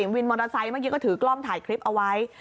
วินมอเตอร์ไซค์เมื่อกี้ก็ถือกล้องถ่ายคลิปเอาไว้